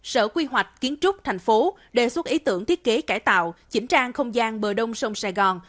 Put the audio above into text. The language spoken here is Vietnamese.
sở quy hoạch kiến trúc thành phố đề xuất ý tưởng thiết kế cải tạo chỉnh trang không gian bờ đông sông sài gòn